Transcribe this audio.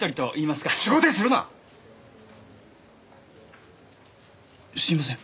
すいません。